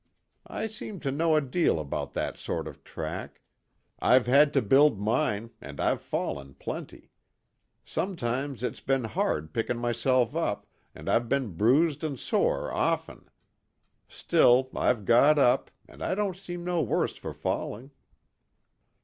I seem to know a deal about that sort of track. I've had to build mine, and I've fallen plenty. Sometimes it's been hard picking myself up, and I've been bruised and sore often. Still, I've got up, and I don't seem no worse for falling."